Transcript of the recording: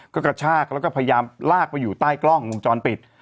ก็กระชากแล้วก็พยายามลากไปอยู่ใต้กล้องวงจรปิด